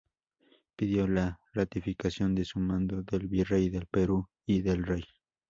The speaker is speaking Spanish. Pidió la ratificación de su mando del virrey del Perú y del rey.